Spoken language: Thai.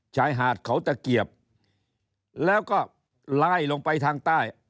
ชายหาดเขาตะเกียบแล้วก็ไล่ลงไปทางใต้